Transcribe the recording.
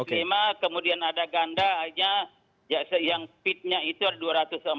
ada dua ratus lima kemudian ada ganda hanya yang speednya itu ada dua ratus empat